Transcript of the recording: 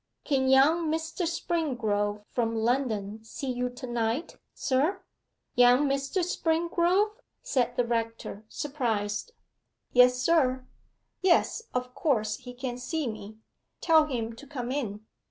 'Can young Mr. Springrove from London see you to night, sir?' 'Young Mr. Springrove?' said the rector, surprised. 'Yes, sir.' 'Yes, of course he can see me. Tell him to come in.